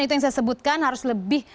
itu yang saya sebutkan harus lebih